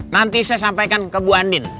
nanti saya sampaikan ke bu andin